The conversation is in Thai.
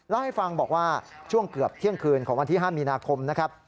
เล่าให้ฟังบอกว่าช่วงเกือบเที่ยงคืนของวันที่๕มีนาคมนะครับ